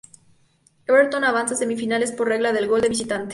Everton avanza a semifinales por regla del gol de visitante.